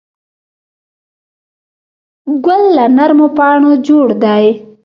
تجربه څنګه ترلاسه کیږي؟